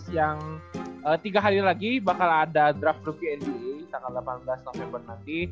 yang tiga hari lagi bakal ada draft grup bnp tanggal delapan belas november nanti